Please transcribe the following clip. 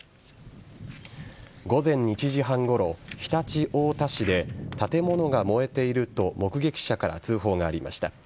午前１時半ごろ、常陸太田市で建物が燃えていると目撃者から通報がありました。